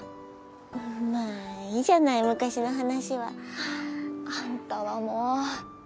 まあいいじゃない昔の話は。あんたはもう。